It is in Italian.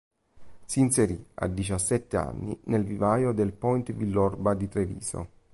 Si inserì a diciassette anni nel vivaio del Point Villorba di Treviso.